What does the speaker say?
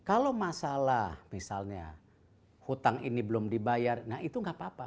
kalau masalah misalnya hutang ini belum dibayar nah itu nggak apa apa